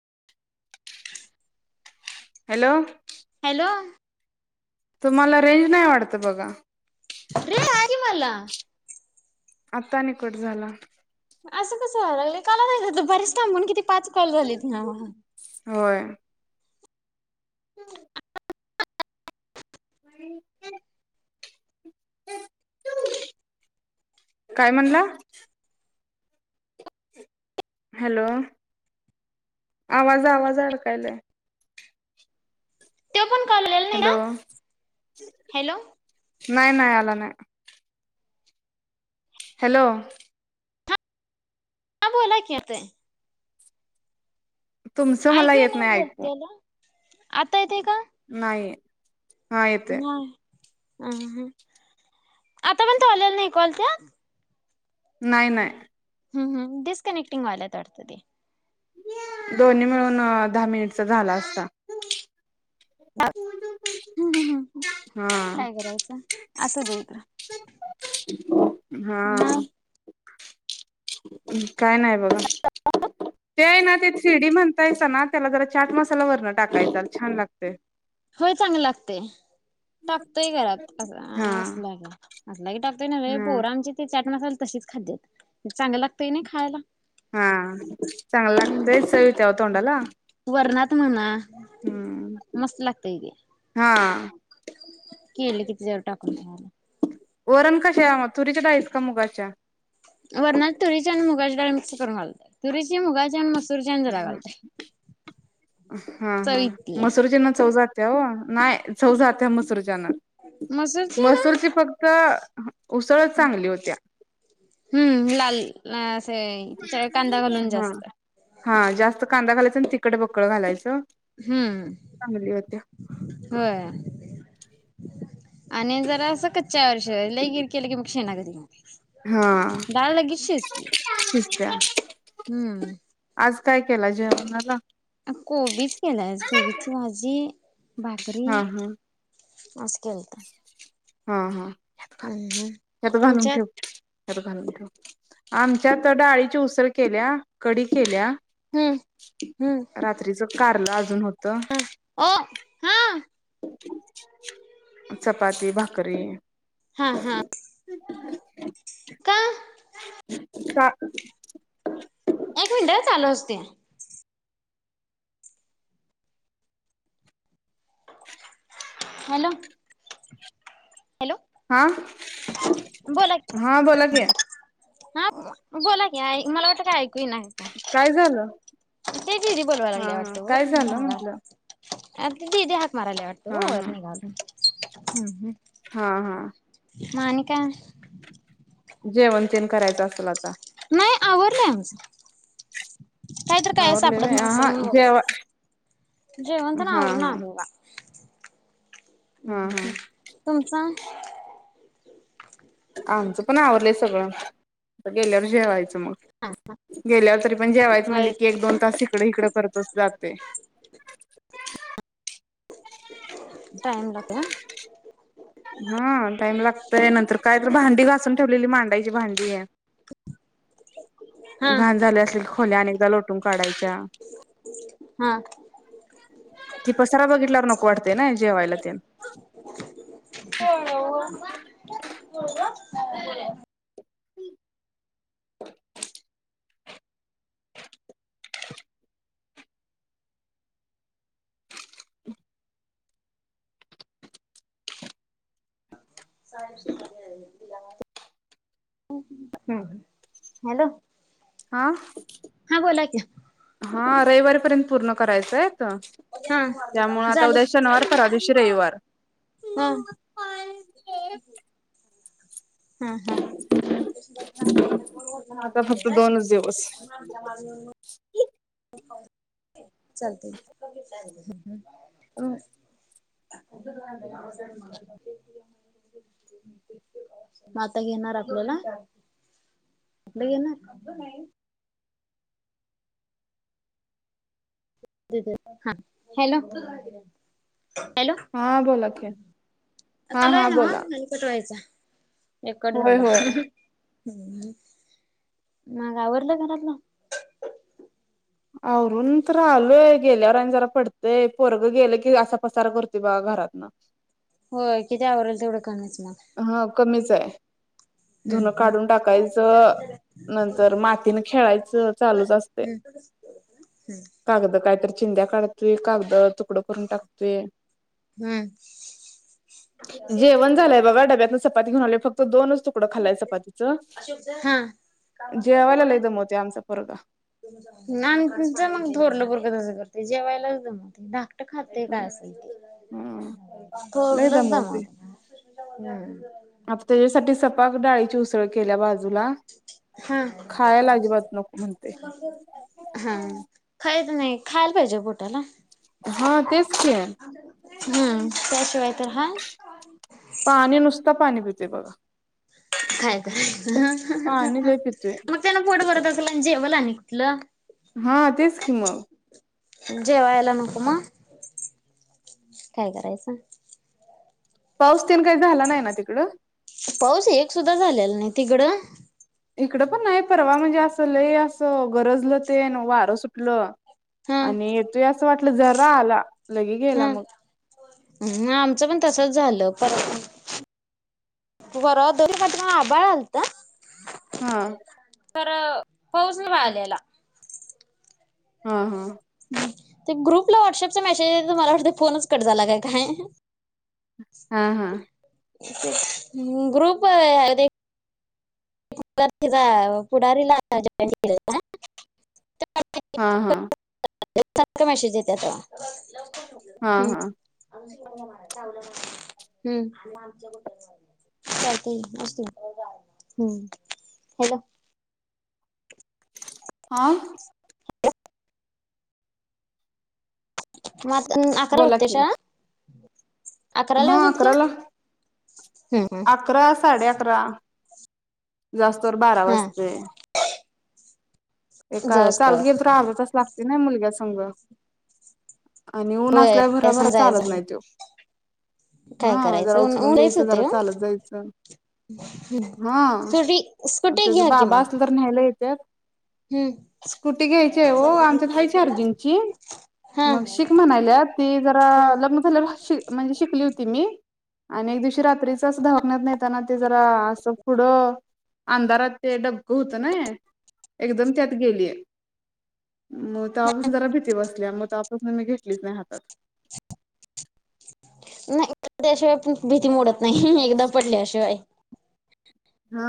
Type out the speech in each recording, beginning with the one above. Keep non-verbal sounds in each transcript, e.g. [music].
[unintelligible] Hello hello तुम्हाला range नाही वाटत बघा अ रे [unintelligible] की मला आता आणि कट झाला असं कसं व्हाय लागलंय काल नाय का दुपारीच थांबून किती पाच कॉल झालेत ना होय हम्म [unintelligible] काय म्हणला हॅलो आवाज आवाज अडकायलाय तो पण कॉल आलेला नाही हॅलो का? हॅलो नाय नाय आला नाय हॅलो हा बोला की येतय तुमचं मला ऐकू येत येईना नाही ऐकू बोलतेल आता येतंय का नाही हा येतोय नाही अ ह आता पणं [unintelligible] ऐकवालत्या नाही नाही हम्म हम डिस कनेक्टिंग व्हाल्यात वाटत ते [unintelligible] दोन्ही मिळून अ दहा मिनिटचा झाला असता आतु [unintelligible] हम्म हम् हम् काय करायचं असु दे इकडं ह [unintelligible] मग [unintelligible] [inaudible] काय नाही बोला [inaudible] ते आहे ना ते [unintelligible] म्हणतायसाना त्याला जरा चाट मसाला वरन टाकायचा छान लागतय होय चांगल लागतय टाकतय गळ्यात अस अ हा आसला की लई टाकतय नवे हा पोरांची ती चॅट [unintelligible] तशीच खातेत चांगलं लागतंय नाही खायला हा चांगल हम्म लागतंय चव येते हो तोंडाला वरणात म्हणा हम्म ए हा आ [unintelligible] केले कि त्याच्यावर टाकून खायाला वरण कशा मग तुरीच्या डाळीचं का मुगाच्या वरणात तुरीची आणि मुगाची डाळ मिक्स करून घालतो तुरीची मुगाची आणि मस [unintelligible] हा चव हा इत्या मसूरीची न चव जा [unintelligible] ओ नाय चव जातत्या मसुरीची [unintelligible] मसूरची फक्त उसळच चांगली होत्या हम्म लाल असे कांदा [unintelligible] घालून हा जास्त हा जास्त कांदा घालायचा तिखट बकळ घालायचं हम्म चांगली होत्या [inaudible] होय [inaudible] आणि जरास कच्च्यावर [unintelligible] लई गिर केलं की मग शेणागत होतंय. हा डाळ लगेच [inaudible] शिजती सुट्टया हम्म आज काय केल जेवणाला कोबीच केला आज कोबीची भाजी भाकरी हा हा मस्त केलत्या हा हा [unintelligible] तुमच्या [unintelligible] आमच्याकड डाळीची उसळ केल्या कडी केल्या हम्म हम्म [inaudible] रात्रीच कारलं अजून होतं ओ हा [inaudible] चपाती भाकरी हा हा, का का? एक मिनट चालू असू दे. 'हॅलो' हॅलो हा बोला हा बोला की हा बोला की मला वाटल [unintelligible] ती नाही काय झालं ते दीदी बोलवाय हा लागल्या हा वाटत काय झालं म्हंटलं वर आरती दीदी हात मरालाय वाटत हा ओ वर हा निघाल हम्म हम् हा हा मग‌ आणि काय जेवण तेन करायचं असेल आता, नाही आवरलय आमचं काहीतर काय आवरलय सापडत व्हय नसेल हा म्हणून जेव बोलवत्यात. हा जेवण तेन आवरून हा आलोय बा, हा हा तुमचा आमचं पण आवरलंय सगळं, आता गेल्यावर जेवायच. मग गेल्यावर तरी पण जेवायचं होय म्हणले की एक दोन तास तिकडे हिकड करतो असतो. जाते. टाईम लागत्या हे हा टाइम लागतय नंतर काय तर भांडी घासून ठेवलेली मांडायची भांडी हा घाण झाल्या असतील खोल्या अनेकदा लोट. काढायच्या, हा ते पसारा बघितल्यावर नको वाटतेय नाय जेवायला तेन हम हॅलो हा हा बोला की हा रविवारीपर्यंत पूर्ण करायचंय हा त्यामुळे आता झाले उद्या शनिवार परवाच्या दिवशी रविवार हा मम मम पाणी हा हा आता फक्त दोनच दिवस. चालुक्य की, आता घेणार आपल्याला नाही घेणारा. हा, हॅलो हॅलो हा बोला की हा चालू आहे हा नव्ह बोला. आणि कट व्हायचा एक कट होय झाला होय [unintelligible] मग आवरलं घरातलं आवरून तर आलोय गेल्यावर आणि जरा पडतंय पोरगं गेलं की असा पसारा करतय बघा घरातन हो किती आवरल तेवढं कमीच मग हा कमीचय धुणं हम्म काढून टाकायचं नंतर मातीन खेळायचं चालूच असतय हम्म हम्म कागद काय तरी चिंद्या काढतोय कागद तु तुकड करून टाकतोय हम्म जेवण झाल्या डब्यातण चपाती घेऊन आलोय फक्त दोनच तुकडं खाल्लाय चपातीचं. [unintelligible] जेवायला लय दमवतोय आमचा पोरगा. मग थोरल पोरगं तसं करतय ते जेवायलाच दमवतोय धाक [unintelligible] खातय काय असेल ते हम्म लय थोरलच दमवतय हम् [unintelligible] आज त्याच्यासाठी सपाक डाळीची उसळ केल्या बाजूला हा खायला अजिबात नको म्हणते हा खायच नाही खायला पाहिजे पोटाला हा तेच की हम्म त्याशिवाय तर हा पाणी नुसता पाणी पि- ते बघा [unintelligible] [inaudible] हा हा पाणी हा लय पितोय मग त्यान पोट भरत असल [unintelligible] जेवल आणि कुठल हा तेच की मग जेवायला नको मग काय करायचं पाऊस तेन काय झाला नाही ना तिकडं पाऊस एक सुद्धा झालेला नाही तिकडं इकडं पण नाही परवा म्हणजे असं लई असं गरजलं ते वारं सुटलं हा आणि तु असं वाटलं जरा आला लगे गेला मग हम आमचं पण तसच झालं परवा [unintelligible] आभाळ आलत हा तर पाऊस नाही आलेला हा हा ते ग्रुपला व्हॉट्सअपचा मेसेज [inaudible] मला वाटत फोनच कट झाला काय काय [inaudible] हा हा [unintelligible] ग्रुप आहे रे तिचा पुढारीला जॉईन केलं [unintelligible] हा हा सारख मेसेज येत्यात हा हम्म हा हम्म चालतय कि असुदे हम्म हॅलो हा मग आता अकराला बोला भरते की शाळा हा अकराला हम्म, हम्म, अकरा साडे अकरा जास्तवर बारा हा वाजते [inaudible] ए काय जोस्त चालत गेलो तर र्धा तास लागतोय ना मुलग्याच सांग आणि ऊन होय आसल्यावर भराभरा चालत जायचं नाही तो काय हा जरा करायचं ऊन उचलून ऊन लयच घ्यायचं होते जरा हो चालत जायचं हा स्कुटी स्कुटी त्यांचं घ्या की बाबा मग असलं तर न्यायला येतात हम्म, स्कूटी घ्यायची आहे हो आमच्यात हाय चार्जिंगची हा मग शिक म्हणायल्या ती जरा हम्म. लग्न झाल्या म्हणजे शिकली होती मी आणि एक दिवशी रात्रीच अस दवाखाण्यात नेताना ते जरा असं पुढं अंधारात ते डबकं होतं ना एकदम त्यात गेलीय मग तवापासून जरा भीती बसल्या मग तस मी घेतलीच नाही हातात [inaudible] नाही पडल्याशिवाय पण भीती मोडत नाही एकदा पडल्याशिवाय हा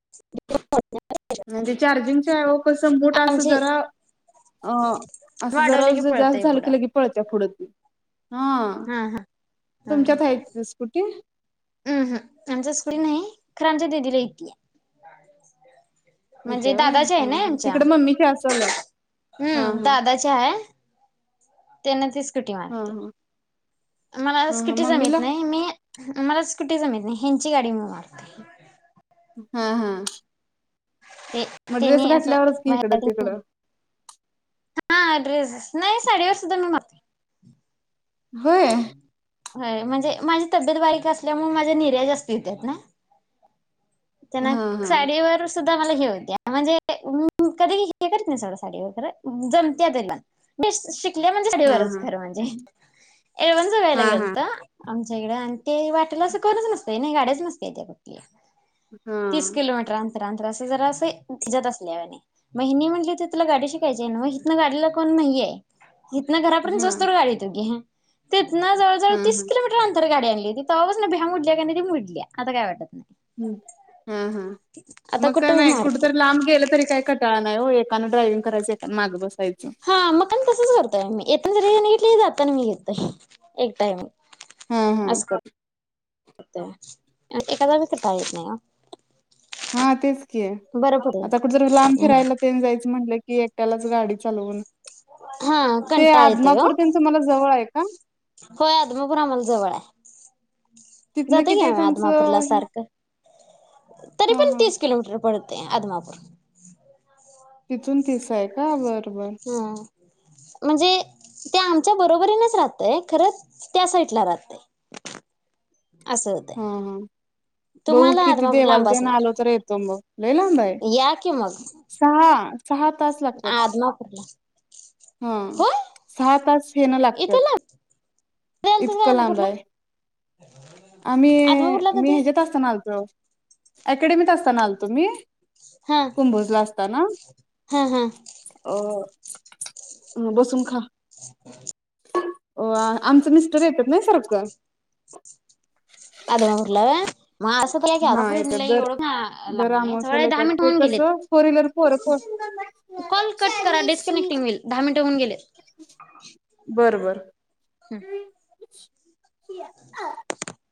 [unintelligible] म्हणजे चार्जिंगची आहे ओ पण कस असं मूठ असं आमची जरा आ वाढवली जरास की पळतय जास्त झाल पुढं की पळत्या जास्त ती हा तुमच्यात आहेत स्कुटी हम्म हम आमच्या स्कुटी नाही खर आमच्या दिदीला येतीया म्हणजे येत्या व्हय दादाची आहे हा ना हा आमच्या तिकडं मम्मीच्या असल. हा हम्म हा दादा ची हाय [unintelligible] स्कुटी हा मारते हा मला हा हा स्कुटी मम्मीला जमत नाही मी मला स्कुटी जमत नाही ह्यांची गाडी मी मारतोय हा हा [unintelligible] मग ड्रेस घातल्यावरच की इकडं तिकडं ड्रेस नाही साडीवर सुद्धा मी मारतोय होय होय म्हणजे माझी तब्येत बारीक असल्यामुळे माझ्या निऱ्या जास्ती होत्यात ना? त्यांना हा हा साडीवर स्वतः मला [unintelligible] म्हणजे [unintelligible] कधी हे करत नाही सोडा साडीवर खरं जमत्या तिला बेस्ट शि क्ले म्हणजे हा हा साडीवरच हा खर म्हणजे एवन जव्याला हा हा गेलता? आमच्या इकडें आणि ते वाटला असं कोणच नसतं नाही गाड्याच नसत्याता त्या कुठल्या हा तीस किलोमीटर आ अंतरा जरास हे ह्याच्यात असल्या वानी मग ह्यांनी म्हटली तर तुला गाडी शिकायचीय न्हव इथन गाडीला कोण नाही आहे इथनं घरापर्यंत हा जाउसतोर गाडी तो की ही ते इथन जवळ जवळ तीस हा किलोमीटर अंतर गाडी हाय गेली तवा बसन भ्या मुडल्या कणी ते मुडल्या आता काय वाटत नाही हम हा हा आता मग काय कुठं बी नाय कुठ मारतय. तरी लांब गेलं तरी काय कटाळा नाही हो येत एका ड्रायव्हिंग करायच एकान माग बसा हा मग कणी तसंच करतोय आम्ही येताना जरी ह्यांनी ते जाताना मी घेतोय एक टाइम हा हा अस क एका जागी कटाळा येत नाही ओ हा तेच की बरं पडेल. आता कुठतरी लांब फिरायला तेन जायचं म्हणलं ती एकट्यालाच गाडी चालवून हा ते कंटाळा येतोय ओ. आदमापूर तेन तुम्हाला जवळ हाय हं होय आदमपुर आम्हाला जवळ हाय तिथनं जातोय की किती आहे आम्ही आदमापूरला तुमचं हे सारखं तरी हा पण हा तीस किलोमीटर पड ते आदमापूर तिथून तीस आहे का बर बर हा म्हणजे ते आमच्या बरोबरीनच राहतय खर त्या साईडला राहतय हा हा बघु तुम्हाला कि ती आदमापूर देवाला लांब ते ना असणार आलो तर येतो मग लई लांब हाय या की मग. सहा सहा तास लागत्यात आदमापूरला ह होय सहा तास हेणं लागत्यात इथं लांब कधी इतक आलतासा लांब आदमापूरला? हाय आम्ही आदमापूरला मी कधी? हेच्यात असत ना आलतो अकॅडमीत असताना आलतो मी? हा कुंभोजला असता ना हा हा. अ बसून खा [inaudible] वा आमचं मिस्टर येत्यात नई सारखं आदमापूर ला [unintelligible] हा येत्यात दर लांब दर नाहीये जवळ अमावास्येला दहा येत्यात मिनिट ते होऊन कस गेलेत. फोर व्हीलर पोरं पोरं कॉल [unintelligible] शी कट करा आलंय शी डिस्कनेक्टिंग होईल दहा मिनिटं होऊन गेलेत. बर बर [unintelligible]